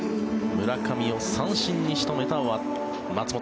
村上を三振に仕留めた松本。